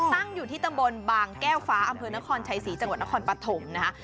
ตั้งอยู่ที่ตำบลบางแก้วฟ้าอำเภอนครชัยศรีจังหวัดนครปฐมนะคะ